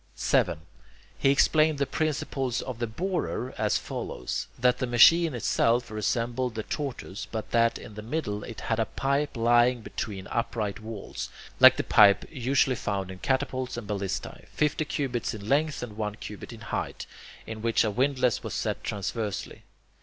7. He explained the principles of the borer as follows: that the machine itself resembled the tortoise, but that in the middle it had a pipe lying between upright walls, like the pipe usually found in catapults and ballistae, fifty cubits in length and one cubit in height, in which a windlass was set transversely.